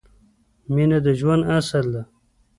مینه د ژوند اصل ده